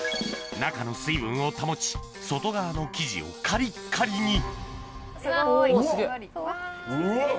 中の水分を保ち外側の生地をカリッカリにおぉすげぇ。